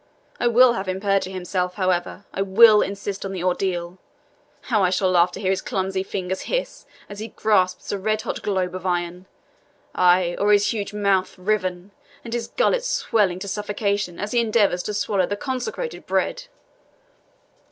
I will have him perjure himself, however; I will insist on the ordeal. How I shall laugh to hear his clumsy fingers hiss, as he grasps the red hot globe of iron! Ay, or his huge mouth riven, and his gullet swelling to suffocation, as he endeavours to swallow the consecrated bread!"